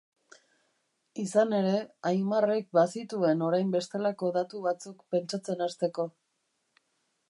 Izan ere, Aimarrek bazituen orain bestelako datu batzuk pentsatzen hasteko.